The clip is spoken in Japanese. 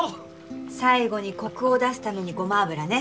最後にコクを出すためにごま油ね。